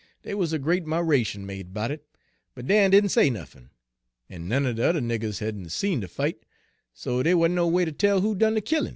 Dey wuz a great 'miration made 'bout it, but Dan didn' say nuffin, en none er de yuther niggers hadn' seed de fight, so dey wa'n't no way ter tell who done de killin'.